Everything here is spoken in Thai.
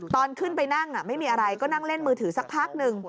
ตอนขึ้นไปนั่งไม่มีอะไรก็นั่งเล่นมือถือสักพักหนึ่ง